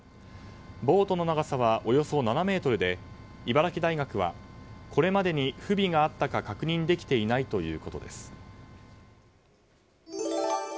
ボートの長さはおよそ７ｍで茨城大学はこれまでに不備があったか確認できていないということです。